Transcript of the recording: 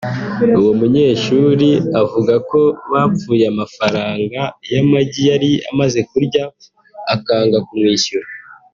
uwo munyeshuri avuga ko bapfuye amafaranga y’amagi yari amaze kurya akanga kumwishyura